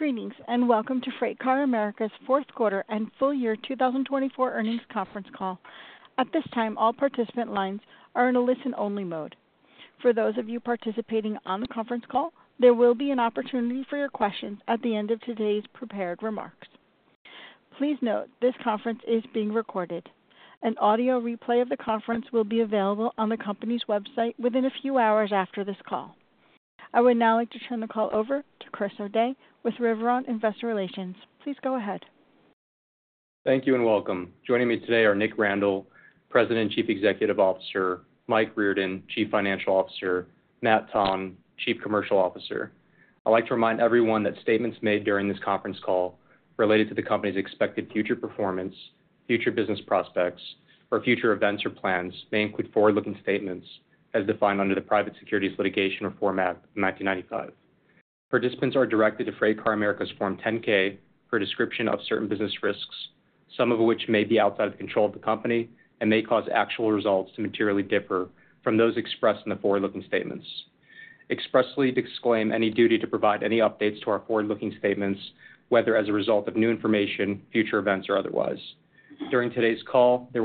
Greetings and welcome to FreightCar America's fourth quarter and full year 2024 earnings conference call. At this time, all participant lines are in a listen-only mode. For those of you participating on the conference call, there will be an opportunity for your questions at the end of today's prepared remarks. Please note this conference is being recorded. An audio replay of the conference will be available on the company's website within a few hours after this call. I would now like to turn the call over to Chris O'Day with Riveron Investor Relations. Please go ahead. Thank you and welcome. Joining me today are Nick Randall, President and Chief Executive Officer; Mike Riordan, Chief Financial Officer; Matt Tonn, Chief Commercial Officer. I'd like to remind everyone that statements made during this conference call related to the company's expected future performance, future business prospects, or future events or plans may include forward-looking statements as defined under the Private Securities Litigation Reform Act of 1995. Participants are directed to FreightCar America's Form 10-K for a description of certain business risks, some of which may be outside of the control of the company and may cause actual results to materially differ from those expressed in the forward-looking statements. Expressly disclaim any duty to provide any updates to our forward-looking statements, whether as a result of new information, future events, or otherwise. During today's call, there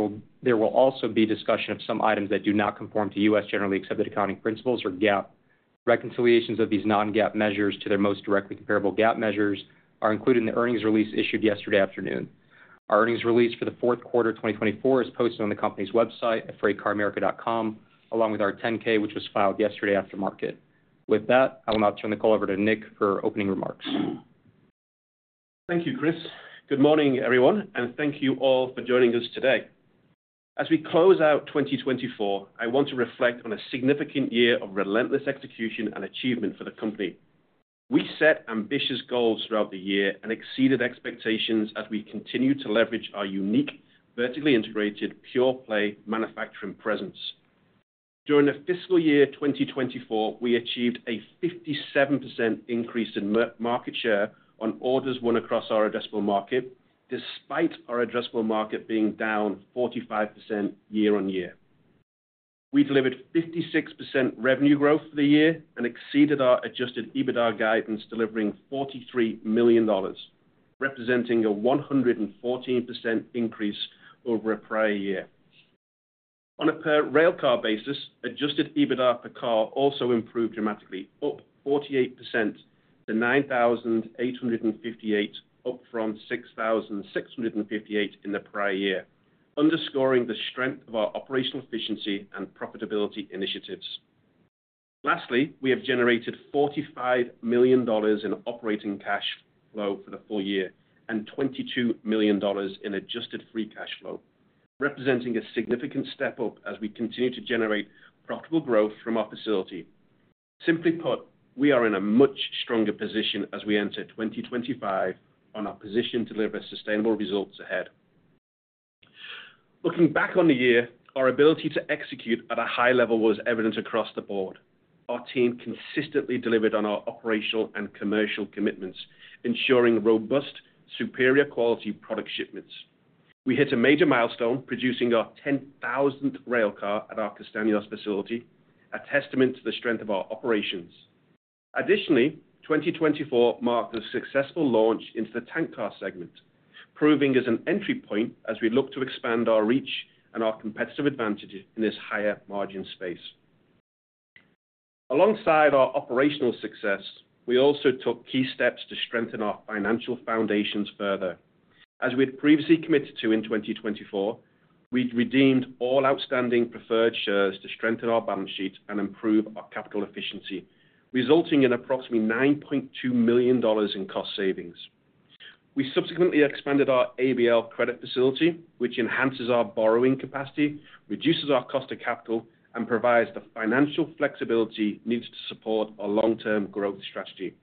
will also be discussion of some items that do not conform to U.S. Generally accepted accounting principles or GAAP. Reconciliations of these non-GAAP measures to their most directly comparable GAAP measures are included in the earnings release issued yesterday afternoon. Our earnings release for the fourth quarter of 2024 is posted on the company's website at freightcaramerica.com, along with our 10-K, which was filed yesterday after market. With that, I will now turn the call over to Nick for opening remarks. Thank you, Chris. Good morning, everyone, and thank you all for joining us today. As we close out 2024, I want to reflect on a significant year of relentless execution and achievement for the company. We set ambitious goals throughout the year and exceeded expectations as we continue to leverage our unique vertically integrated pure-play manufacturing presence. During the fiscal year 2024, we achieved a 57% increase in market share on orders won across our addressable market, despite our addressable market being down 45% year on year. We delivered 56% revenue growth for the year and exceeded our adjusted EBITDA guidance, delivering $43 million, representing a 114% increase over a prior year. On a per-railcar basis, adjusted EBITDA per car also improved dramatically, up 48% to $9,858, up from $6,658 in the prior year, underscoring the strength of our operational efficiency and profitability initiatives. Lastly, we have generated $45 million in operating cash flow for the full year and $22 million in adjusted free cash flow, representing a significant step up as we continue to generate profitable growth from our facility. Simply put, we are in a much stronger position as we enter 2025 on our position to deliver sustainable results ahead. Looking back on the year, our ability to execute at a high level was evident across the board. Our team consistently delivered on our operational and commercial commitments, ensuring robust, superior-quality product shipments. We hit a major milestone, producing our 10,000th railcar at our Castaños facility, a testament to the strength of our operations. Additionally, 2024 marked a successful launch into the tank car segment, proving as an entry point as we look to expand our reach and our competitive advantage in this higher margin space. Alongside our operational success, we also took key steps to strengthen our financial foundations further. As we had previously committed to in 2024, we had redeemed all outstanding preferred shares to strengthen our balance sheet and improve our capital efficiency, resulting in approximately $9.2 million in cost savings. We subsequently expanded our ABL credit facility, which enhances our borrowing capacity, reduces our cost of capital, and provides the financial flexibility needed to support our long-term growth strategy.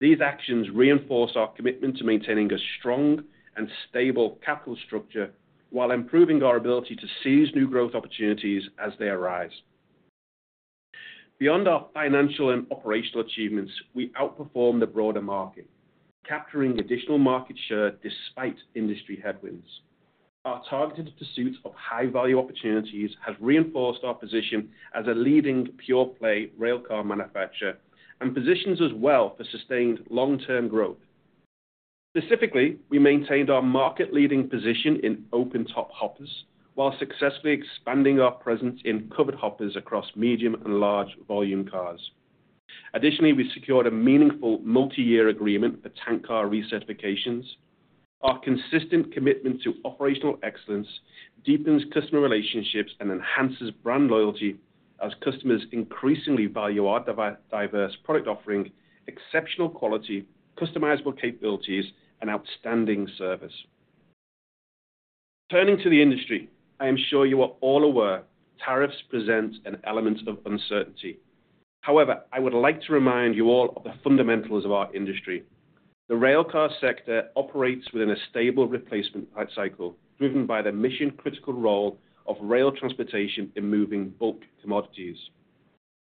These actions reinforce our commitment to maintaining a strong and stable capital structure while improving our ability to seize new growth opportunities as they arise. Beyond our financial and operational achievements, we outperform the broader market, capturing additional market share despite industry headwinds. Our targeted pursuit of high-value opportunities has reinforced our position as a leading pure-play railcar manufacturer and positions us well for sustained long-term growth. Specifically, we maintained our market-leading position in open-top hoppers while successfully expanding our presence in covered hoppers across medium and large volume cars. Additionally, we secured a meaningful multi-year agreement for tank car recertifications. Our consistent commitment to operational excellence deepens customer relationships and enhances brand loyalty as customers increasingly value our diverse product offering, exceptional quality, customizable capabilities, and outstanding service. Turning to the industry, I am sure you are all aware tariffs present an element of uncertainty. However, I would like to remind you all of the fundamentals of our industry. The railcar sector operates within a stable replacement cycle, driven by the mission-critical role of rail transportation in moving bulk commodities.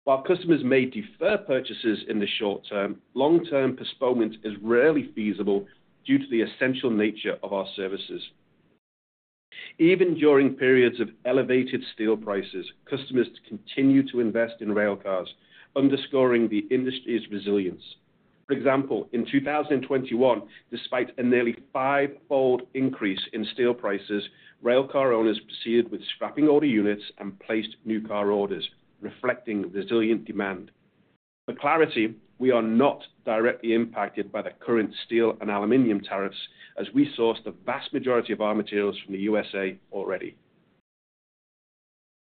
While customers may defer purchases in the short term, long-term postponement is rarely feasible due to the essential nature of our services. Even during periods of elevated steel prices, customers continue to invest in railcars, underscoring the industry's resilience. For example, in 2021, despite a nearly five-fold increase in steel prices, railcar owners proceeded with scrapping order units and placed new car orders, reflecting resilient demand. For clarity, we are not directly impacted by the current steel and aluminum tariffs as we source the vast majority of our materials from the USA already.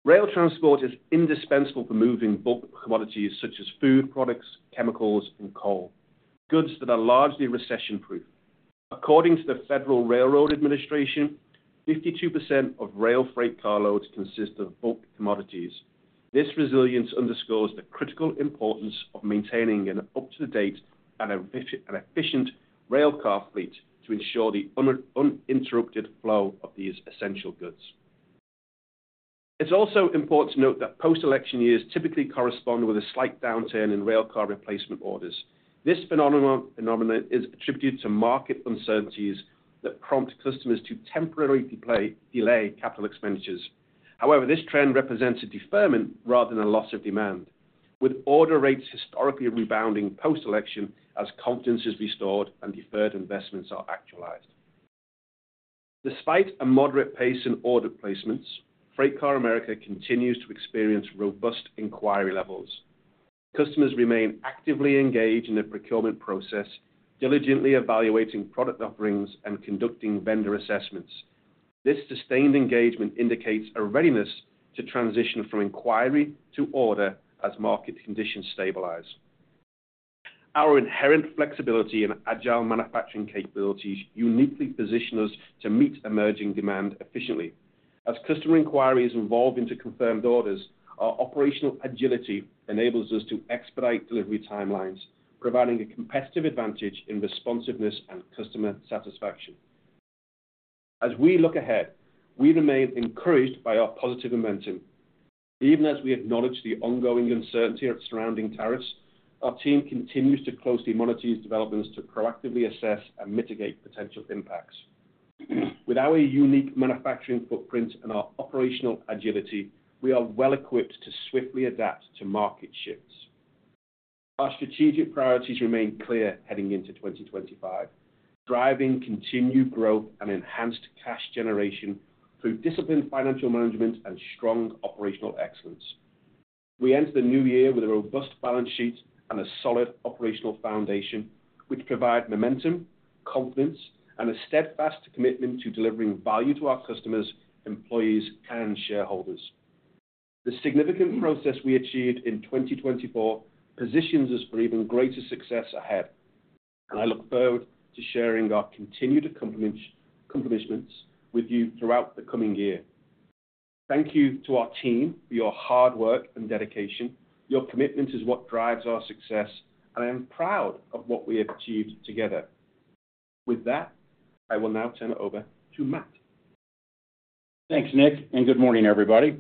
Rail transport is indispensable for moving bulk commodities such as food products, chemicals, and coal, goods that are largely recession-proof. According to the Federal Railroad Administration, 52% of rail freight car loads consist of bulk commodities. This resilience underscores the critical importance of maintaining an up-to-date and efficient railcar fleet to ensure the uninterrupted flow of these essential goods. It's also important to note that post-election years typically correspond with a slight downturn in railcar replacement orders. This phenomenon is attributed to market uncertainties that prompt customers to temporarily delay capital expenditures. However, this trend represents a deferment rather than a loss of demand, with order rates historically rebounding post-election as confidence is restored and deferred investments are actualized. Despite a moderate pace in order placements, FreightCar America continues to experience robust inquiry levels. Customers remain actively engaged in the procurement process, diligently evaluating product offerings and conducting vendor assessments. This sustained engagement indicates a readiness to transition from inquiry to order as market conditions stabilize. Our inherent flexibility and agile manufacturing capabilities uniquely position us to meet emerging demand efficiently. As customer inquiries evolve into confirmed orders, our operational agility enables us to expedite delivery timelines, providing a competitive advantage in responsiveness and customer satisfaction. As we look ahead, we remain encouraged by our positive momentum. Even as we acknowledge the ongoing uncertainty of surrounding tariffs, our team continues to closely monitor these developments to proactively assess and mitigate potential impacts. With our unique manufacturing footprint and our operational agility, we are well-equipped to swiftly adapt to market shifts. Our strategic priorities remain clear heading into 2025, driving continued growth and enhanced cash generation through disciplined financial management and strong operational excellence. We enter the new year with a robust balance sheet and a solid operational foundation, which provide momentum, confidence, and a steadfast commitment to delivering value to our customers, employees, and shareholders. The significant progress we achieved in 2024 positions us for even greater success ahead, and I look forward to sharing our continued accomplishments with you throughout the coming year. Thank you to our team for your hard work and dedication. Your commitment is what drives our success, and I am proud of what we have achieved together. With that, I will now turn it over to Matt. Thanks, Nick, and good morning, everybody.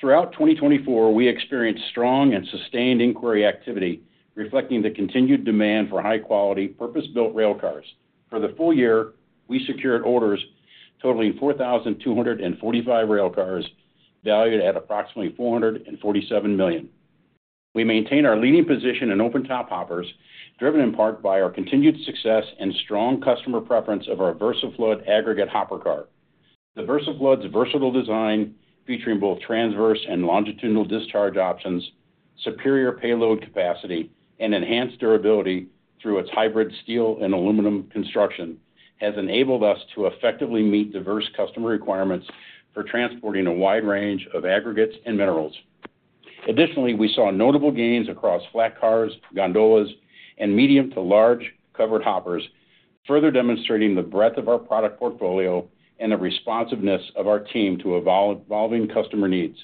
Throughout 2024, we experienced strong and sustained inquiry activity, reflecting the continued demand for high-quality, purpose-built railcars. For the full year, we secured orders totaling 4,245 railcars valued at approximately $447 million. We maintain our leading position in open-top hoppers, driven in part by our continued success and strong customer preference of our Versaflood aggregate hopper car. The Versaflood's versatile design, featuring both transverse and longitudinal discharge options, superior payload capacity, and enhanced durability through its hybrid steel and aluminum construction, has enabled us to effectively meet diverse customer requirements for transporting a wide range of aggregates and minerals. Additionally, we saw notable gains across flat cars, gondolas, and medium to large covered hoppers, further demonstrating the breadth of our product portfolio and the responsiveness of our team to evolving customer needs.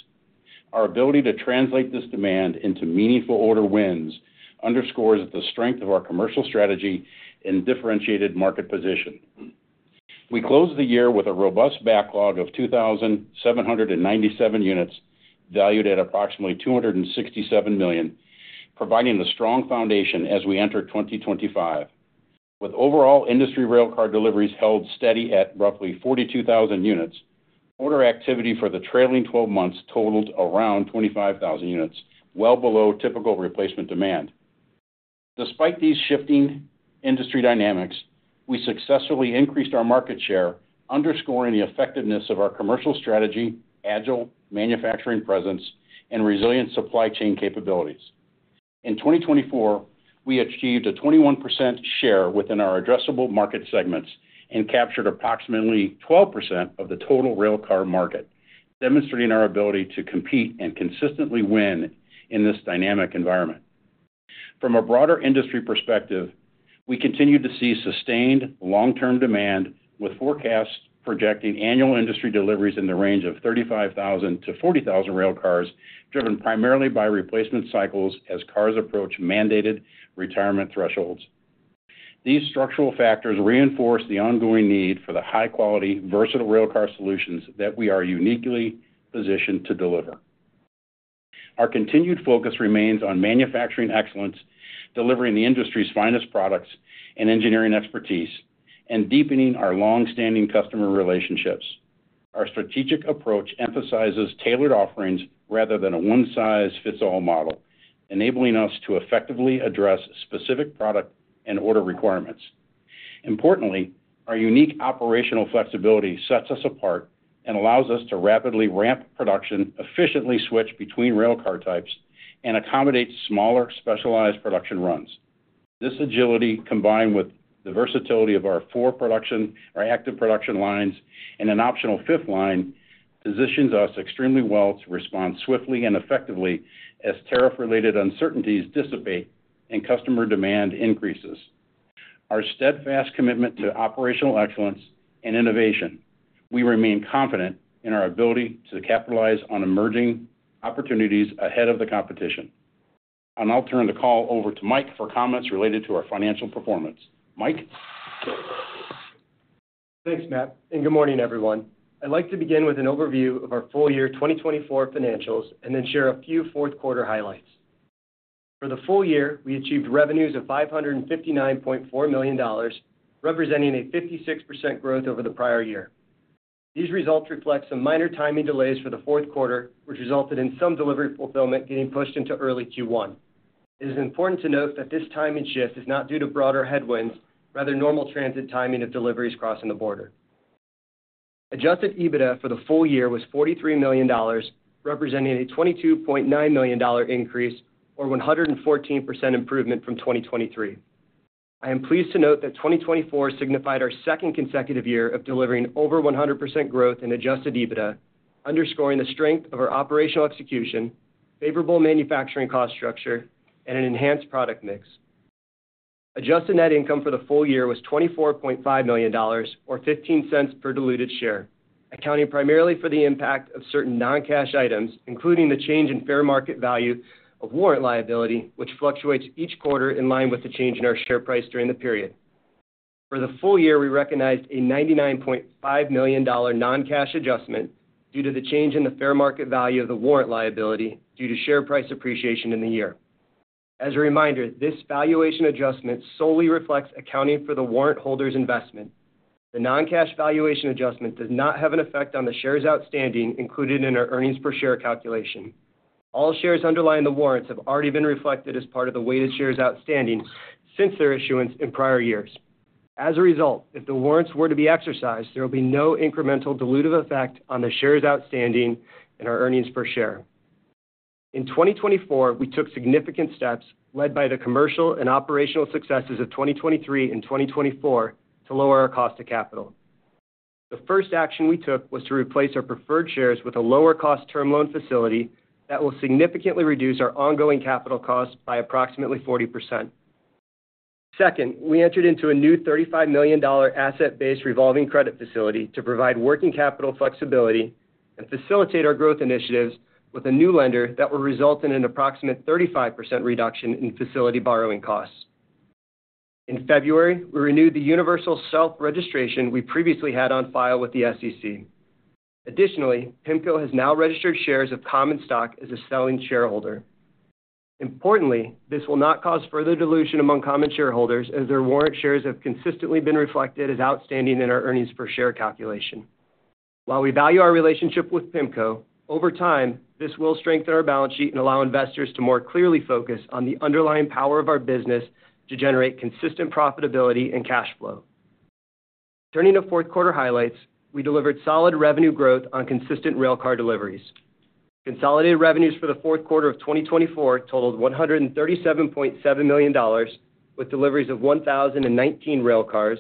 Our ability to translate this demand into meaningful order wins underscores the strength of our commercial strategy and differentiated market position. We closed the year with a robust backlog of 2,797 units valued at approximately $267 million, providing a strong foundation as we enter 2025. With overall industry railcar deliveries held steady at roughly 42,000 units, order activity for the trailing 12 months totaled around 25,000 units, well below typical replacement demand. Despite these shifting industry dynamics, we successfully increased our market share, underscoring the effectiveness of our commercial strategy, agile manufacturing presence, and resilient supply chain capabilities. In 2024, we achieved a 21% share within our addressable market segments and captured approximately 12% of the total railcar market, demonstrating our ability to compete and consistently win in this dynamic environment. From a broader industry perspective, we continue to see sustained long-term demand, with forecasts projecting annual industry deliveries in the range of 35,000-40,000 railcars, driven primarily by replacement cycles as cars approach mandated retirement thresholds. These structural factors reinforce the ongoing need for the high-quality, versatile railcar solutions that we are uniquely positioned to deliver. Our continued focus remains on manufacturing excellence, delivering the industry's finest products and engineering expertise, and deepening our long-standing customer relationships. Our strategic approach emphasizes tailored offerings rather than a one-size-fits-all model, enabling us to effectively address specific product and order requirements. Importantly, our unique operational flexibility sets us apart and allows us to rapidly ramp production, efficiently switch between railcar types, and accommodate smaller, specialized production runs. This agility, combined with the versatility of our four active production lines and an optional fifth line, positions us extremely well to respond swiftly and effectively as tariff-related uncertainties dissipate and customer demand increases. With our steadfast commitment to operational excellence and innovation, we remain confident in our ability to capitalize on emerging opportunities ahead of the competition. I will turn the call over to Mike for comments related to our financial performance. Mike. Thanks, Matt, and good morning, everyone. I'd like to begin with an overview of our full year 2024 financials and then share a few fourth-quarter highlights. For the full year, we achieved revenues of $559.4 million, representing a 56% growth over the prior year. These results reflect some minor timing delays for the fourth quarter, which resulted in some delivery fulfillment getting pushed into early Q1. It is important to note that this timing shift is not due to broader headwinds, rather normal transit timing of deliveries crossing the border. Adjusted EBITDA for the full year was $43 million, representing a $22.9 million increase or 114% improvement from 2023. I am pleased to note that 2024 signified our second consecutive year of delivering over 100% growth in adjusted EBITDA, underscoring the strength of our operational execution, favorable manufacturing cost structure, and an enhanced product mix. Adjusted net income for the full year was $24.5 million or $0.15 per diluted share, accounting primarily for the impact of certain non-cash items, including the change in fair market value of warrant liability, which fluctuates each quarter in line with the change in our share price during the period. For the full year, we recognized a $99.5 million non-cash adjustment due to the change in the fair market value of the warrant liability due to share price appreciation in the year. As a reminder, this valuation adjustment solely reflects accounting for the warrant holder's investment. The non-cash valuation adjustment does not have an effect on the shares outstanding included in our earnings per share calculation. All shares underlying the warrants have already been reflected as part of the weighted shares outstanding since their issuance in prior years. As a result, if the warrants were to be exercised, there will be no incremental dilutive effect on the shares outstanding and our earnings per share. In 2024, we took significant steps led by the commercial and operational successes of 2023 and 2024 to lower our cost of capital. The first action we took was to replace our preferred shares with a lower-cost term loan facility that will significantly reduce our ongoing capital cost by approximately 40%. Second, we entered into a new $35 million asset-based revolving credit facility to provide working capital flexibility and facilitate our growth initiatives with a new lender that will result in an approximate 35% reduction in facility borrowing costs. In February, we renewed the universal self-registration we previously had on file with the SEC. Additionally, PIMCO has now registered shares of Common Stock as a selling shareholder. Importantly, this will not cause further dilution among common shareholders as their warrant shares have consistently been reflected as outstanding in our earnings per share calculation. While we value our relationship with PIMCO, over time, this will strengthen our balance sheet and allow investors to more clearly focus on the underlying power of our business to generate consistent profitability and cash flow. Turning to fourth-quarter highlights, we delivered solid revenue growth on consistent railcar deliveries. Consolidated revenues for the fourth quarter of 2024 totaled $137.7 million with deliveries of 1,019 railcars,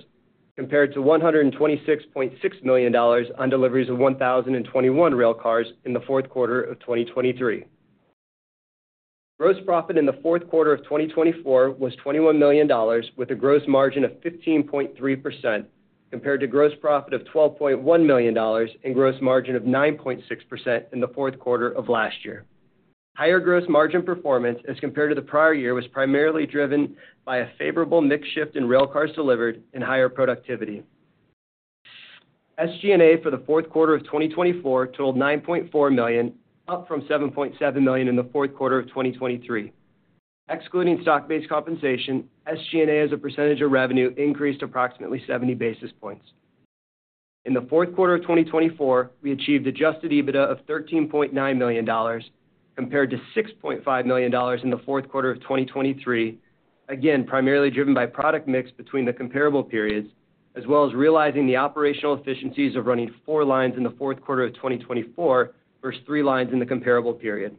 compared to $126.6 million on deliveries of 1,021 railcars in the fourth quarter of 2023. Gross profit in the fourth quarter of 2024 was $21 million, with a gross margin of 15.3%, compared to gross profit of $12.1 million and gross margin of 9.6% in the fourth quarter of last year. Higher gross margin performance as compared to the prior year was primarily driven by a favorable mix shift in railcars delivered and higher productivity. SG&A for the fourth quarter of 2024 totaled $9.4 million, up from $7.7 million in the fourth quarter of 2023. Excluding stock-based compensation, SG&A as a percentage of revenue increased approximately 70 basis points. In the fourth quarter of 2024, we achieved adjusted EBITDA of $13.9 million, compared to $6.5 million in the fourth quarter of 2023, again primarily driven by product mix between the comparable periods, as well as realizing the operational efficiencies of running four lines in the fourth quarter of 2024 versus three lines in the comparable period.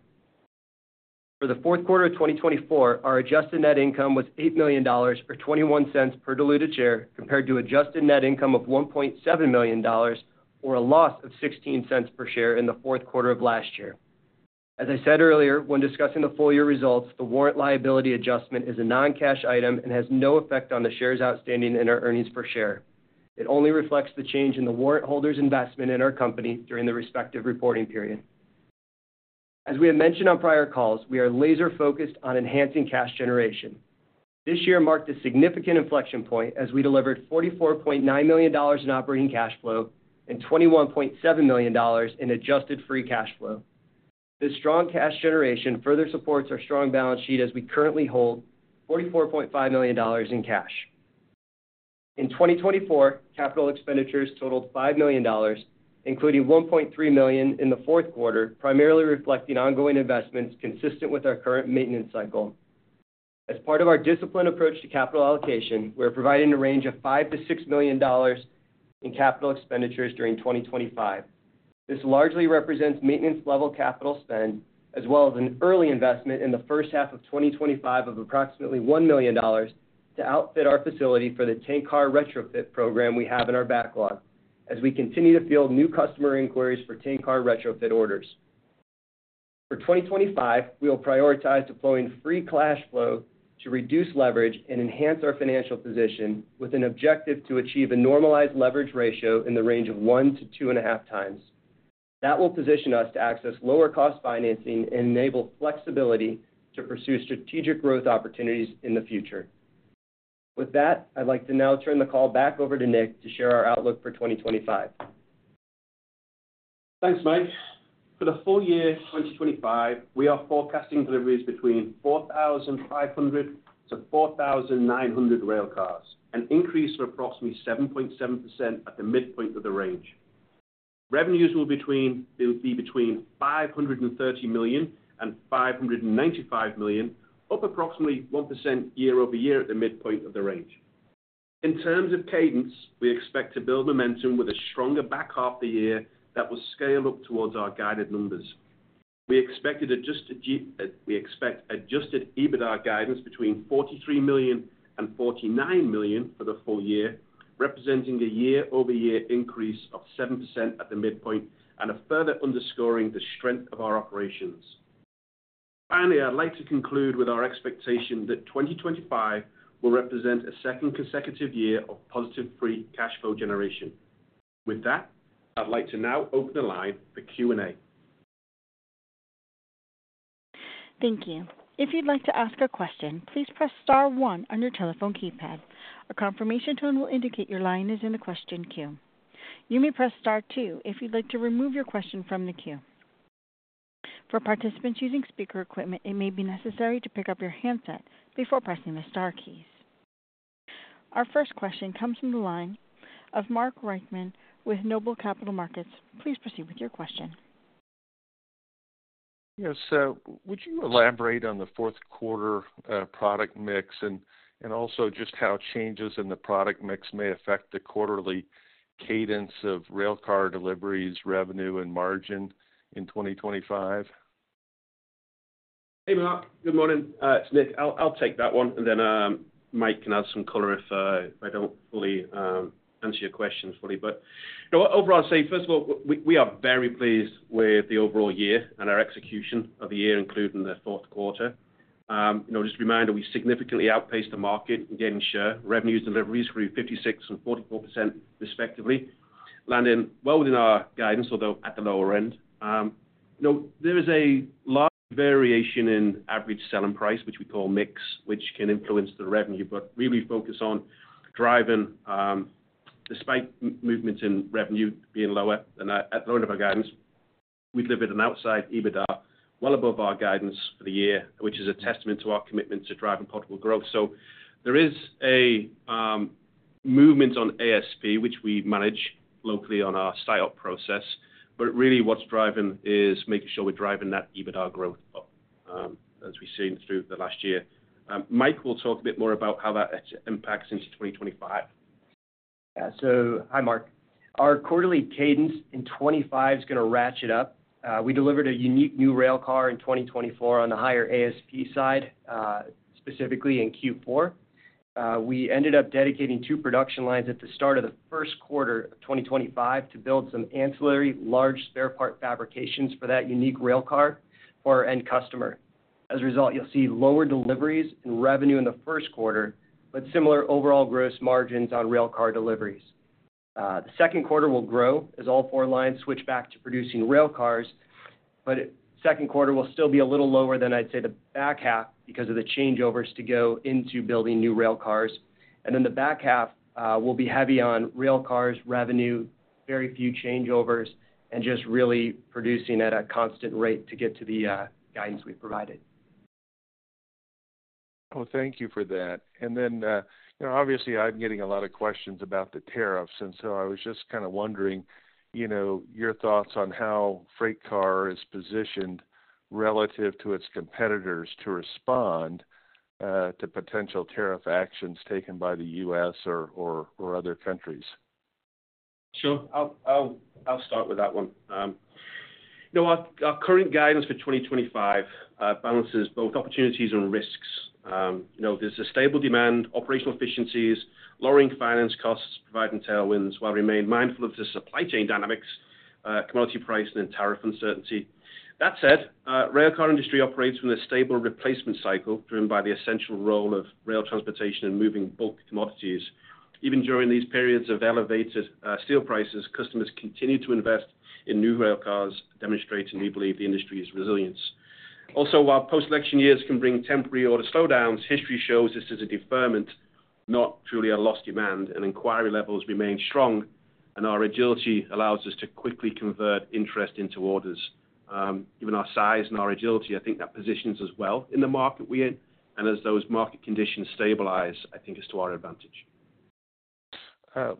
For the fourth quarter of 2024, our adjusted net income was $8 million or $0.21 per diluted share, compared to adjusted net income of $1.7 million or a loss of $0.16 per share in the fourth quarter of last year. As I said earlier, when discussing the full year results, the warrant liability adjustment is a non-cash item and has no effect on the shares outstanding in our earnings per share. It only reflects the change in the warrant holder's investment in our company during the respective reporting period. As we have mentioned on prior calls, we are laser-focused on enhancing cash generation. This year marked a significant inflection point as we delivered $44.9 million in operating cash flow and $21.7 million in adjusted free cash flow. This strong cash generation further supports our strong balance sheet as we currently hold $44.5 million in cash. In 2024, capital expenditures totaled $5 million, including $1.3 million in the fourth quarter, primarily reflecting ongoing investments consistent with our current maintenance cycle. As part of our disciplined approach to capital allocation, we are providing a range of $5-$6 million in capital expenditures during 2025. This largely represents maintenance-level capital spend, as well as an early investment in the first half of 2025 of approximately $1 million to outfit our facility for the tank car retrofit program we have in our backlog, as we continue to field new customer inquiries for tank car retrofit orders. For 2025, we will prioritize deploying free cash flow to reduce leverage and enhance our financial position, with an objective to achieve a normalized leverage ratio in the range of one to two and a half times. That will position us to access lower-cost financing and enable flexibility to pursue strategic growth opportunities in the future. With that, I'd like to now turn the call back over to Nick to share our outlook for 2025. Thanks, Mike. For the full year 2025, we are forecasting deliveries between 4,500-4,900 railcars, an increase of approximately 7.7% at the midpoint of the range. Revenues will be between $530 million-$595 million, up approximately 1% year over year at the midpoint of the range. In terms of cadence, we expect to build momentum with a stronger back half of the year that will scale up towards our guided numbers. We expect adjusted EBITDA guidance between $43 million-$49 million for the full year, representing a year-over-year increase of 7% at the midpoint and further underscoring the strength of our operations. Finally, I'd like to conclude with our expectation that 2025 will represent a second consecutive year of positive free cash flow generation. With that, I'd like to now open the line for Q&A. Thank you. If you'd like to ask a question, please press Star 1 on your telephone keypad. A confirmation tone will indicate your line is in the question queue. You may press Star 2 if you'd like to remove your question from the queue. For participants using speaker equipment, it may be necessary to pick up your handset before pressing the Star keys. Our first question comes from the line of Mark Riordan with Noble Capital Markets. Please proceed with your question. Yes. Would you elaborate on the fourth quarter product mix and also just how changes in the product mix may affect the quarterly cadence of railcar deliveries, revenue, and margin in 2025? Hey, Mark. Good morning. It's Nick. I'll take that one, and then Mike can add some color if I don't fully answer your question fully. Overall, I'd say, first of all, we are very pleased with the overall year and our execution of the year, including the fourth quarter. Just a reminder, we significantly outpaced the market in gaining share. Revenues, deliveries through 56% and 44%, respectively, landing well within our guidance, although at the lower end. There is a large variation in average selling price, which we call mix, which can influence the revenue, but really focus on driving despite movements in revenue being lower than at the moment of our guidance. We delivered an outside EBITDA well above our guidance for the year, which is a testament to our commitment to driving profitable growth. There is a movement on ASP, which we manage locally on our site-up process, but really what's driving is making sure we're driving that EBITDA growth up, as we've seen through the last year. Mike will talk a bit more about how that impacts into 2025. Yeah. Hi, Mark. Our quarterly cadence in 2025 is going to ratchet up. We delivered a unique new railcar in 2024 on the higher ASP side, specifically in Q4. We ended up dedicating two production lines at the start of the first quarter of 2025 to build some ancillary large spare part fabrications for that unique railcar for our end customer. As a result, you'll see lower deliveries and revenue in the first quarter, but similar overall gross margins on railcar deliveries. The second quarter will grow as all four lines switch back to producing railcars, but the second quarter will still be a little lower than, I'd say, the back half because of the changeovers to go into building new railcars. The back half will be heavy on railcars, revenue, very few changeovers, and just really producing at a constant rate to get to the guidance we've provided. Thank you for that. Obviously, I'm getting a lot of questions about the tariffs, and so I was just kind of wondering your thoughts on how FreightCar is positioned relative to its competitors to respond to potential tariff actions taken by the U.S. or other countries. Sure. I'll start with that one. Our current guidance for 2025 balances both opportunities and risks. There's a stable demand, operational efficiencies, lowering finance costs to provide and tailwinds while remaining mindful of the supply chain dynamics, commodity pricing, and tariff uncertainty. That said, the railcar industry operates from a stable replacement cycle driven by the essential role of rail transportation and moving bulk commodities. Even during these periods of elevated steel prices, customers continue to invest in new railcars, demonstrating, we believe, the industry's resilience. Also, while post-election years can bring temporary order slowdowns, history shows this is a deferment, not truly a lost demand. Inquiry levels remain strong, and our agility allows us to quickly convert interest into orders. Given our size and our agility, I think that positions us well in the market we're in. As those market conditions stabilize, I think it's to our advantage.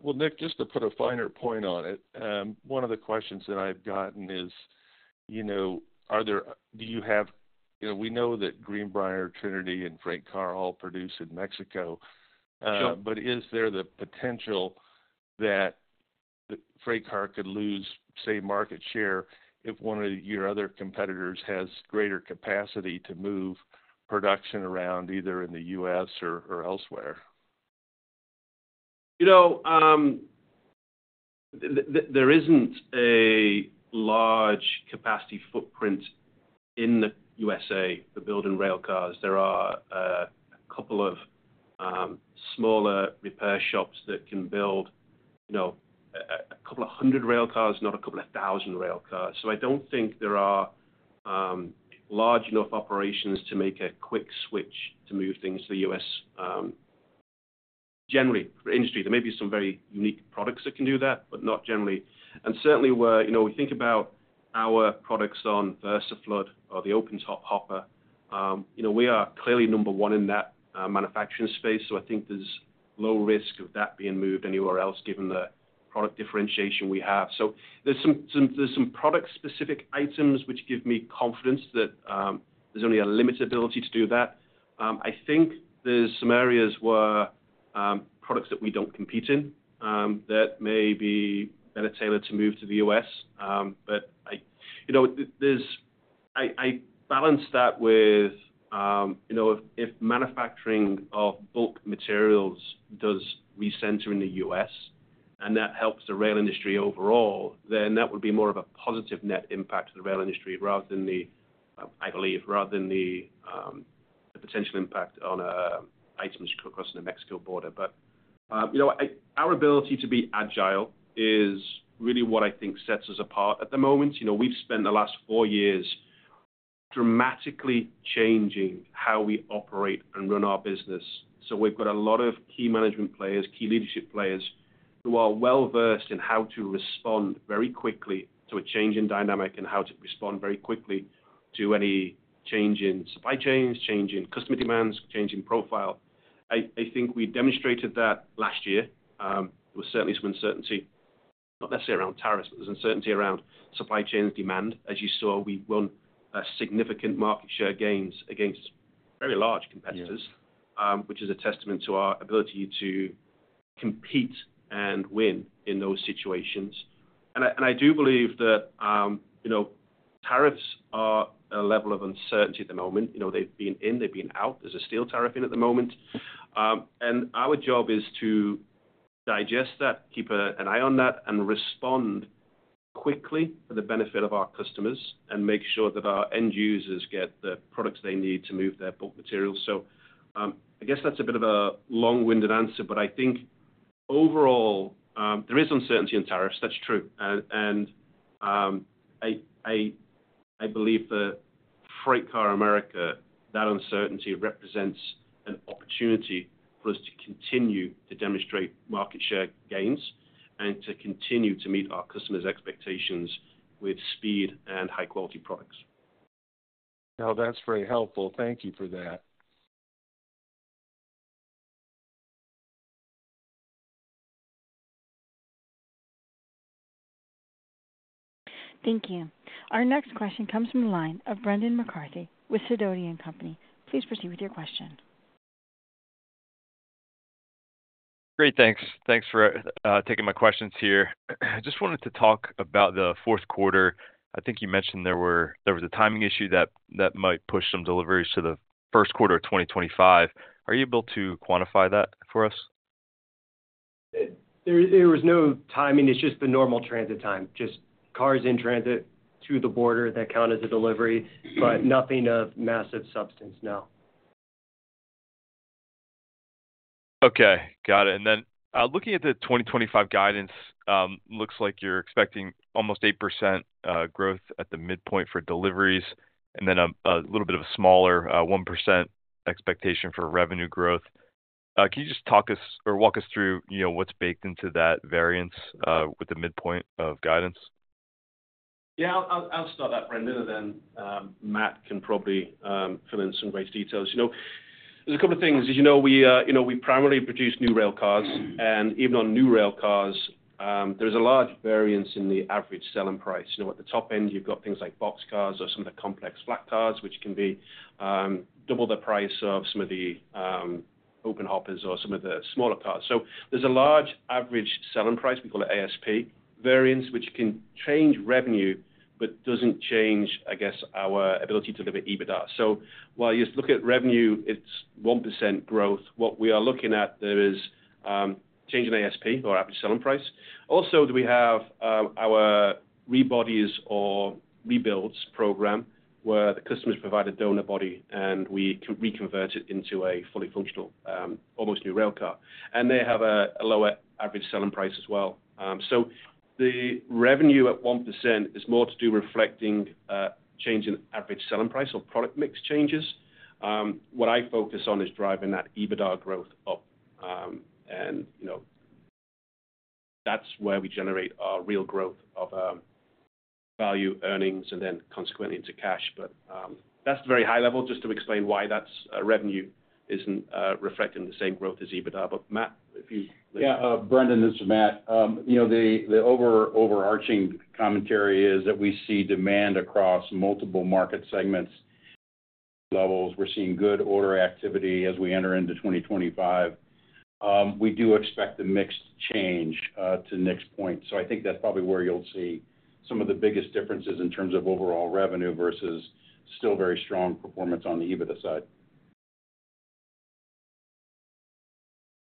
Nick, just to put a finer point on it, one of the questions that I've gotten is, do you have—we know that Greenbrier, Trinity, and FreightCar all produce in Mexico, but is there the potential that FreightCar could lose, say, market share if one of your other competitors has greater capacity to move production around either in the U.S. or elsewhere? There is not a large capacity footprint in the U.S. for building railcars. There are a couple of smaller repair shops that can build a couple of hundred railcars, not a couple of thousand railcars. I do not think there are large enough operations to make a quick switch to move things to the U.S. generally. There may be some very unique products that can do that, but not generally. Certainly, we think about our products on Versaflood or the open-top hopper. We are clearly number one in that manufacturing space, so I think there is low risk of that being moved anywhere else given the product differentiation we have. There are some product-specific items which give me confidence that there is only a limited ability to do that. I think there are some areas where products that we do not compete in that may be better tailored to move to the U.S. I balance that with if manufacturing of bulk materials does recenter in the U.S., and that helps the rail industry overall, then that would be more of a positive net impact to the rail industry, I believe, rather than the potential impact on items crossing the Mexico border. Our ability to be agile is really what I think sets us apart at the moment. We've spent the last four years dramatically changing how we operate and run our business. We've got a lot of key management players, key leadership players who are well-versed in how to respond very quickly to a changing dynamic and how to respond very quickly to any change in supply chains, change in customer demands, change in profile. I think we demonstrated that last year. There was certainly some uncertainty, not necessarily around tariffs, but there's uncertainty around supply chain demand. As you saw, we won significant market share gains against very large competitors, which is a testament to our ability to compete and win in those situations. I do believe that tariffs are a level of uncertainty at the moment. They've been in, they've been out. There's a steel tariff in at the moment. Our job is to digest that, keep an eye on that, and respond quickly for the benefit of our customers and make sure that our end users get the products they need to move their bulk materials. I guess that's a bit of a long-winded answer, but I think overall, there is uncertainty in tariffs. That's true. I believe that FreightCar America, that uncertainty represents an opportunity for us to continue to demonstrate market share gains and to continue to meet our customers' expectations with speed and high-quality products. Now, that's very helpful. Thank you for that. Thank you. Our next question comes from the line of Brendan McCarthy with Sidoti & Company. Please proceed with your question. Great. Thanks. Thanks for taking my questions here. I just wanted to talk about the fourth quarter. I think you mentioned there was a timing issue that might push some deliveries to the first quarter of 2025. Are you able to quantify that for us? There was no timing. It's just the normal transit time. Just cars in transit to the border that count as a delivery, but nothing of massive substance. No. Okay. Got it. Looking at the 2025 guidance, looks like you're expecting almost 8% growth at the midpoint for deliveries, and then a little bit of a smaller 1% expectation for revenue growth. Can you just talk us or walk us through what's baked into that variance with the midpoint of guidance? Yeah. I'll start that, Brendan, and then Matt can probably fill in some great details. There's a couple of things. As you know, we primarily produce new railcars, and even on new railcars, there's a large variance in the average selling price. At the top end, you've got things like boxcars or some of the complex flat cars, which can be double the price of some of the open hoppers or some of the smaller cars. There's a large average selling price. We call it ASP variance, which can change revenue but doesn't change, I guess, our ability to deliver EBITDA. While you look at revenue, it's 1% growth. What we are looking at, there is change in ASP or average selling price. Also, we have our rebodies or rebuilds program where the customers provide a donor body, and we reconvert it into a fully functional, almost new railcar. They have a lower average selling price as well. The revenue at 1% is more to do reflecting change in average selling price or product mix changes. What I focus on is driving that EBITDA growth up, and that is where we generate our real growth of value earnings and then consequently into cash. That is very high level just to explain why that revenue is not reflecting the same growth as EBITDA. Matt, if you— Yeah. Brendan, this is Matt. The overarching commentary is that we see demand across multiple market segments. Levels. We are seeing good order activity as we enter into 2025. We do expect the mix change to Nick's point. I think that is probably where you will see some of the biggest differences in terms of overall revenue versus still very strong performance on the EBITDA side.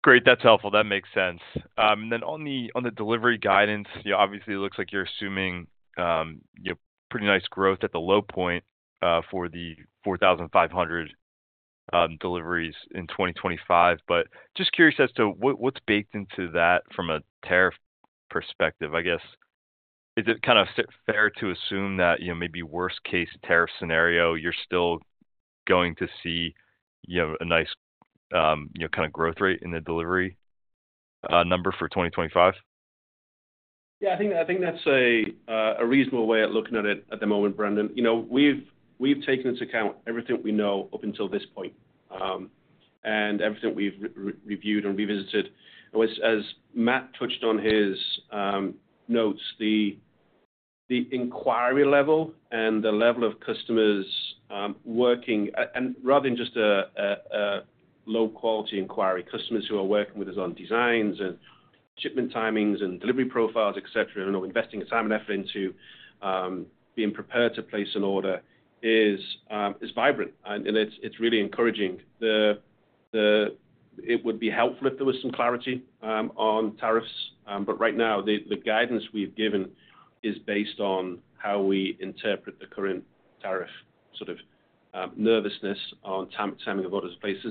Great. That's helpful. That makes sense. On the delivery guidance, obviously, it looks like you're assuming pretty nice growth at the low point for the 4,500 deliveries in 2025. Just curious as to what's baked into that from a tariff perspective. I guess, is it kind of fair to assume that maybe worst-case tariff scenario, you're still going to see a nice kind of growth rate in the delivery number for 2025? Yeah. I think that's a reasonable way of looking at it at the moment, Brendan. We've taken into account everything we know up until this point and everything we've reviewed and revisited. As Matt touched on in his notes, the inquiry level and the level of customers working, and rather than just a low-quality inquiry, customers who are working with us on designs and shipment timings and delivery profiles, etc., investing time and effort into being prepared to place an order is vibrant, and it's really encouraging. It would be helpful if there was some clarity on tariffs, but right now, the guidance we've given is based on how we interpret the current tariff sort of nervousness on timing of orders placed.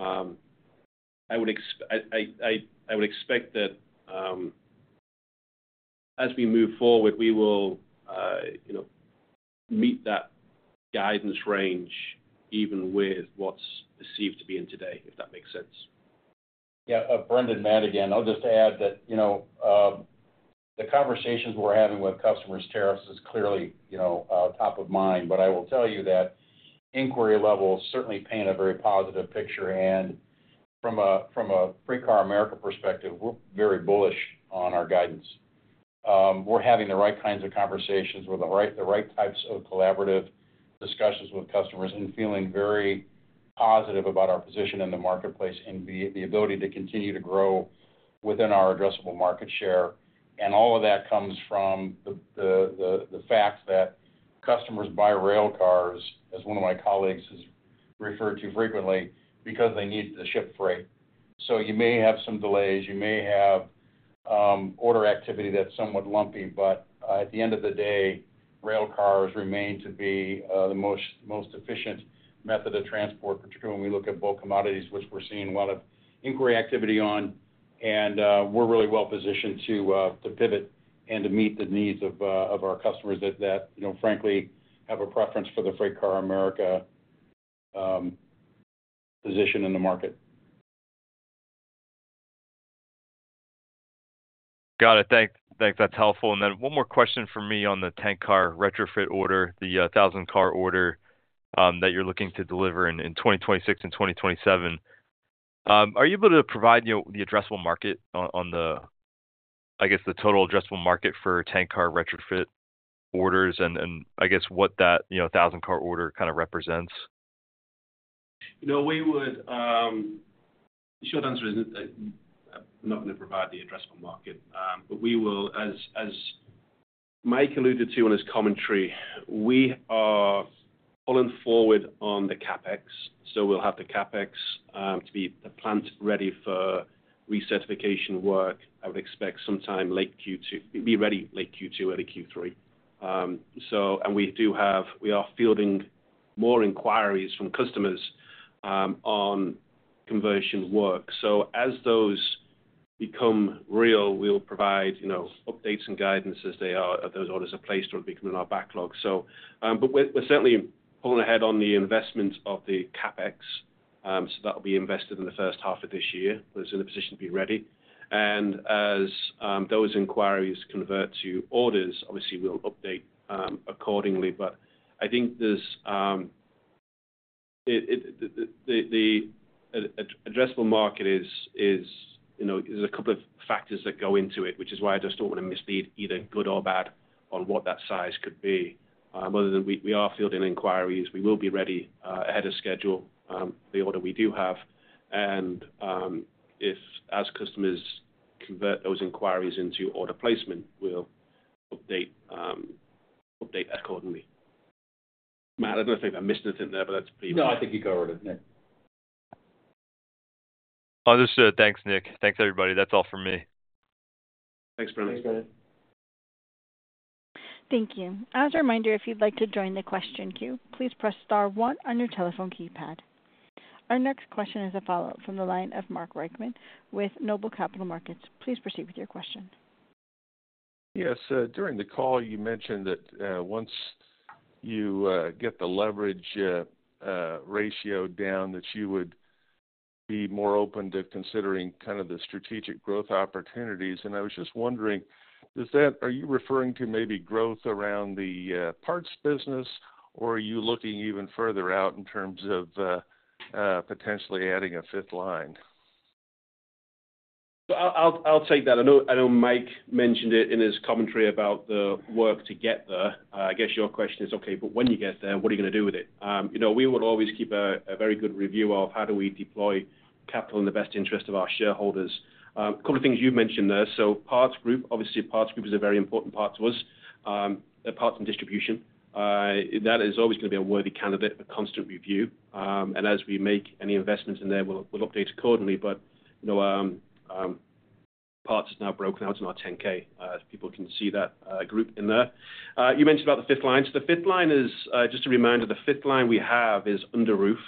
I would expect that as we move forward, we will meet that guidance range even with what's perceived to be in today, if that makes sense. Yeah. Brendan, Matt, again, I'll just add that the conversations we're having with customers' tariffs is clearly top of mind, but I will tell you that inquiry levels certainly paint a very positive picture. From a FreightCar America perspective, we're very bullish on our guidance. We're having the right kinds of conversations with the right types of collaborative discussions with customers and feeling very positive about our position in the marketplace and the ability to continue to grow within our addressable market share. All of that comes from the fact that customers buy railcars, as one of my colleagues has referred to frequently, because they need to ship freight. You may have some delays. You may have order activity that's somewhat lumpy, but at the end of the day, railcars remain to be the most efficient method of transport, particularly when we look at bulk commodities, which we're seeing a lot of inquiry activity on. We're really well positioned to pivot and to meet the needs of our customers that, frankly, have a preference for the FreightCar America position in the market. Got it. Thanks. That's helpful. One more question for me on the tank car retrofit order, the 1,000-car order that you're looking to deliver in 2026 and 2027. Are you able to provide the addressable market on the, I guess, the total addressable market for tank car retrofit orders and, I guess, what that 1,000-car order kind of represents? We would—short answer is not going to provide the addressable market, but we will, as Mike alluded to in his commentary, we are pulling forward on the CapEx. We will have the CapEx to be the plant ready for recertification work. I would expect sometime late Q2, be ready late Q2, early Q3. We are fielding more inquiries from customers on conversion work. As those become real, we will provide updates and guidance as those orders are placed or become in our backlog. We are certainly pulling ahead on the investment of the CapEx. That will be invested in the first half of this year. We are in a position to be ready. As those inquiries convert to orders, obviously, we will update accordingly. I think the addressable market is there's a couple of factors that go into it, which is why I just don't want to mislead either good or bad on what that size could be. Other than we are fielding inquiries, we will be ready ahead of schedule, the order we do have. As customers convert those inquiries into order placement, we'll update accordingly. Matt, I don't think I missed anything there, but that's pretty— No, I think you covered it, Nick. Thanks, Nick. Thanks, everybody. That's all for me. Thanks, Brendan. Thanks, Brendan. Thank you. As a reminder, if you'd like to join the question queue, please press star one on your telephone keypad. Our next question is a follow-up from the line of Mark Riordan with Noble Capital Markets. Please proceed with your question. Yes. During the call, you mentioned that once you get the leverage ratio down, that you would be more open to considering kind of the strategic growth opportunities. I was just wondering, are you referring to maybe growth around the parts business, or are you looking even further out in terms of potentially adding a fifth line? I'll take that. I know Mike mentioned it in his commentary about the work to get there. I guess your question is, okay, but when you get there, what are you going to do with it? We will always keep a very good review of how do we deploy capital in the best interest of our shareholders. A couple of things you mentioned there. Parts group, obviously, parts group is a very important part to us. The parts and distribution, that is always going to be a worthy candidate for constant review. As we make any investments in there, we'll update accordingly. Parts is now broken out in our 10K. People can see that group in there. You mentioned about the fifth line. The fifth line is just a reminder. The fifth line we have is under roof.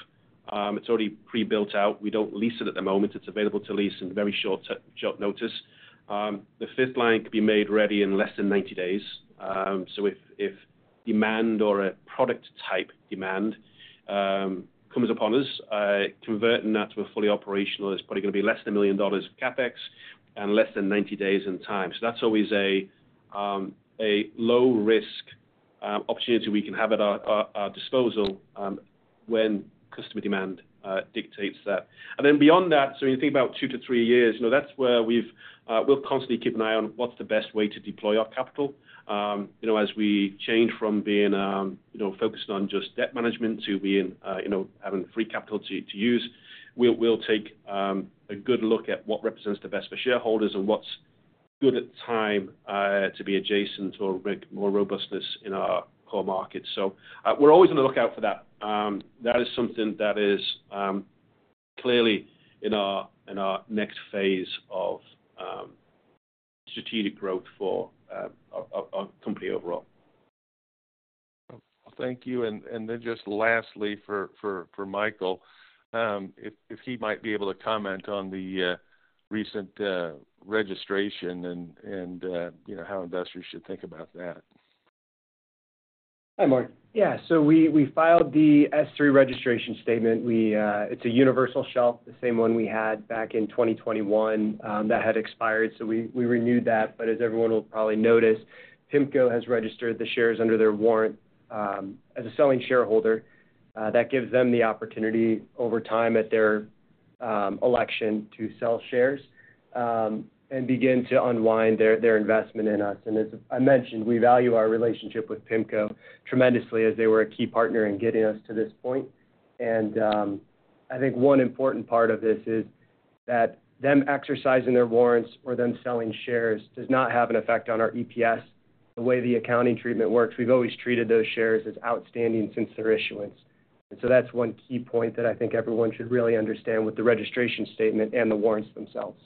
It's already pre-built out. We don't lease it at the moment. It's available to lease in very short notice. The fifth line could be made ready in less than 90 days. If demand or a product type demand comes upon us, converting that to a fully operational is probably going to be less than $1 million of CapEx and less than 90 days in time. That's always a low-risk opportunity we can have at our disposal when customer demand dictates that. Beyond that, when you think about two to three years, that's where we'll constantly keep an eye on what's the best way to deploy our capital. As we change from being focused on just debt management to having free capital to use, we'll take a good look at what represents the best for shareholders and what's good at time to be adjacent or make more robustness in our core markets. We are always on the lookout for that. That is something that is clearly in our next phase of strategic growth for our company overall. Thank you. And then just lastly for Michael, if he might be able to comment on the recent registration and how investors should think about that. Hi, Mark. Yeah. We filed the S3 registration statement. It's a universal shelf, the same one we had back in 2021 that had expired. We renewed that. As everyone will probably notice, PIMCO has registered the shares under their warrant as a selling shareholder. That gives them the opportunity over time at their election to sell shares and begin to unwind their investment in us. As I mentioned, we value our relationship with PIMCO tremendously as they were a key partner in getting us to this point. I think one important part of this is that them exercising their warrants or them selling shares does not have an effect on our EPS. The way the accounting treatment works, we've always treated those shares as outstanding since their issuance. That is one key point that I think everyone should really understand with the registration statement and the warrants themselves.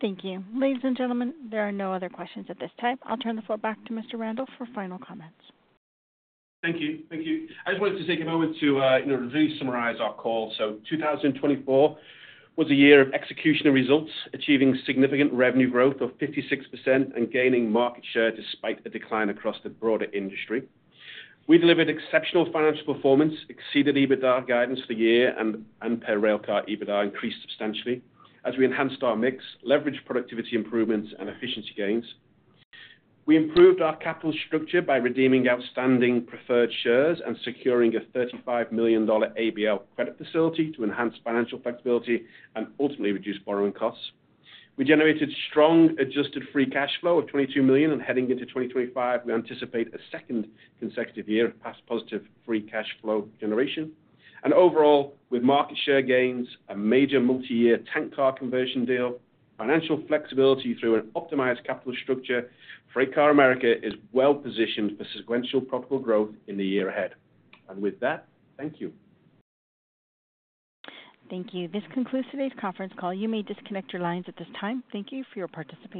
Thank you. Ladies and gentlemen, there are no other questions at this time. I'll turn the floor back to Mr. Randall for final comments. Thank you. Thank you. I just wanted to take a moment to really summarize our call. 2024 was a year of execution and results, achieving significant revenue growth of 56% and gaining market share despite a decline across the broader industry. We delivered exceptional financial performance, exceeded EBITDA guidance for the year, and per railcar EBITDA increased substantially as we enhanced our mix, leveraged productivity improvements, and efficiency gains. We improved our capital structure by redeeming outstanding preferred shares and securing a $35 million ABL credit facility to enhance financial flexibility and ultimately reduce borrowing costs. We generated strong adjusted free cash flow of $22 million, and heading into 2025, we anticipate a second consecutive year of past positive free cash flow generation. Overall, with market share gains, a major multi-year tank car conversion deal, financial flexibility through an optimized capital structure, FreightCar America is well positioned for sequential profitable growth in the year ahead. Thank you. Thank you. This concludes today's conference call. You may disconnect your lines at this time. Thank you for your participation.